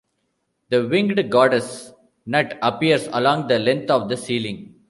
The winged goddess Nut appears along the length of the ceiling.